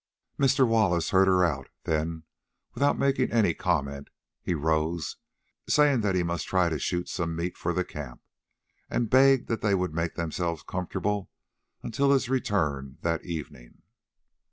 Mr. Wallace heard her out, then, without making any comment, he rose, saying that he must try to shoot some meat for the camp, and begged that they would make themselves comfortable until his return that evening.